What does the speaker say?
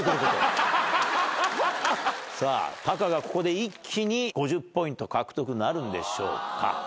さあタカがここで一気に５０ポイント獲得なるんでしょうか？